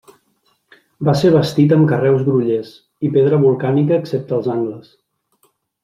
Va ser bastit amb carreus grollers i pedra volcànica excepte els angles.